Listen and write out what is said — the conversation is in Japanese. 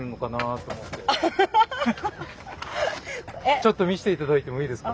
ちょっと見せて頂いてもいいですか？